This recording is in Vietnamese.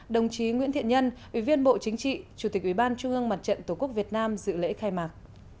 đồng chí nguyễn thiện nhân ủy viên bộ chính trị chủ tịch ủy ban trung ương mặt trận tổ quốc việt nam dự lễ khai mạc